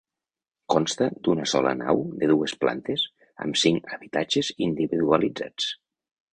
Consta d'una sola nau, de dues plantes, amb cinc habitatges individualitzats.